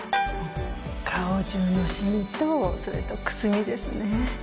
顔じゅうのシミとそれとくすみですね。